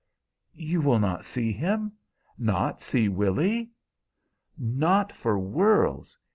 "You will not see him? Not see Willy!" "Not for worlds.